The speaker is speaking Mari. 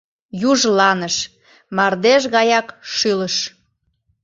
Южланыш, мардеж гаяк шӱлыш.